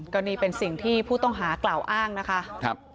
ก็นี่เป็นสิ่งที่ผู้ต้องหากล่าวอ้างนะคะ